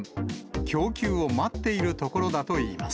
供給を待っているところだといいます。